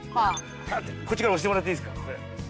こっちから押してもらっていいですか。